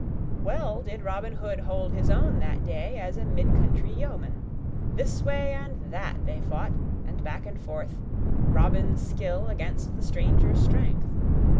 Well did Robin Hood hold his own that day as a mid country yeoman. This way and that they fought, and back and forth, Robin's skill against the stranger's strength.